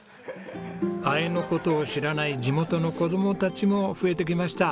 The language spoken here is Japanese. あえのことを知らない地元の子供たちも増えてきました。